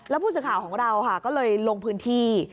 ผู้สื่อข่าวของเราค่ะก็เลยลงพื้นที่